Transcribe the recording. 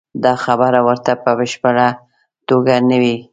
دا خبره ورته په بشپړه توګه نوې وه.